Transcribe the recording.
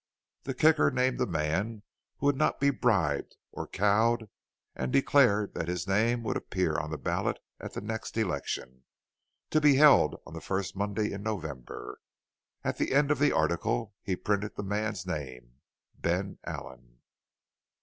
The Kicker named a man who would not be bribed or cowed and declared that his name would appear on the ballot at the next election to be held on the first Monday in November. At the end of the article he printed the man's name Ben Allen!